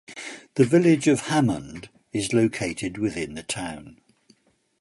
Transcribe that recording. The Village of Hammond is located within the town.